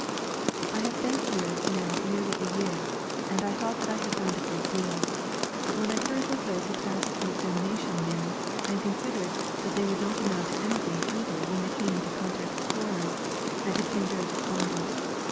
I have been here now nearly a year, and I thought that I had learned a great deal; but when I heard what those who passed the examination knew, and considered that they would not amount to anything either when they came into contact with foreigners, I became very despondent.